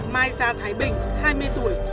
mai gia thái bình hai mươi tuổi